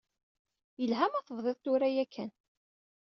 Yelha ma tebdiḍ tura yakkan.